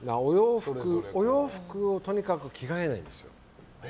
お洋服をとにかく着替えないんですよ。